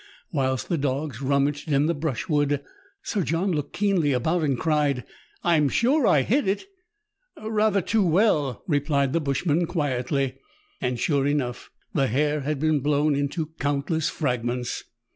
Whilst the dogs rummaged in the brushwood, Sir John looked keenly about, and cried,— " I am sure I hit it !"" Rather too well," replied the bushman quietly. And sure enough, the hare had been blown into countless fragments.